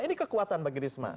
ini kekuatan bagi risma